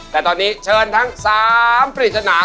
แต่ตอนนี้เชิญทั้ง๓ปริศนา